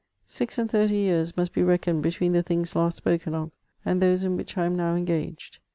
Six and thirty years must be reckoned between the things last spoken of, and those in which I am now engaged.